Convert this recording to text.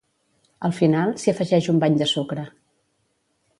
Al final, s'hi afegix un bany de sucre.